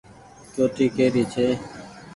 چوٽي ڪي ري ڇي۔